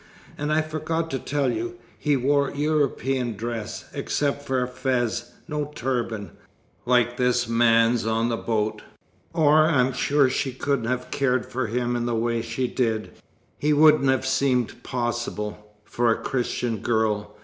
And I forgot to tell you, he wore European dress, except for a fez no turban, like this man's on the boat, or I'm sure she couldn't have cared for him in the way she did he wouldn't have seemed possible, for a Christian girl.